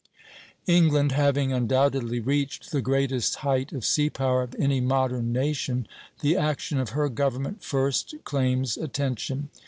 England having undoubtedly reached the greatest height of sea power of any modern nation, the action of her government first claims attention.